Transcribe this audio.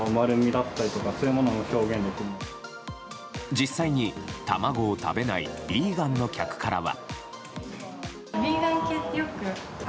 実際、卵を食べないヴィーガンの客からは。